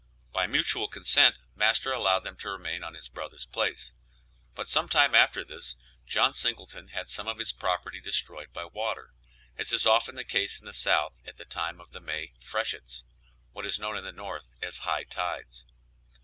By mutual consent master allowed them to remain on his brother's place. But some time after this John Singleton had some of his property destroyed by water, as is often the case in the South at the time of May freshets, what is known in the North as high tides.